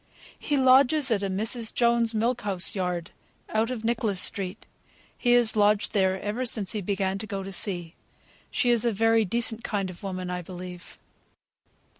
"He lodges at a Mrs. Jones's, Milk House Yard, out of Nicholas Street. He has lodged there ever since he began to go to sea; she is a very decent kind of woman, I believe."